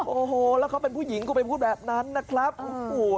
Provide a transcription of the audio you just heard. โอ้โหแล้วเขาเป็นผู้หญิงก็ไปพูดแบบนั้นนะครับโอ้โห